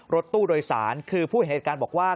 รถตู้โดยสารคือผู้เห็นเหตุการณ์บอกว่า